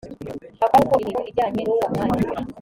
akora koko imirimo ijyanye n uwo mwanya